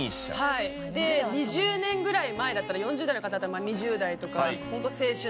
で２０年ぐらい前だったら４０代の方だったら２０代とかホント青春の時代。